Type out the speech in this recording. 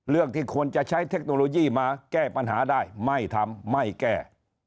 ที่ควรจะใช้เทคโนโลยีมาแก้ปัญหาได้ไม่ทำไม่แก้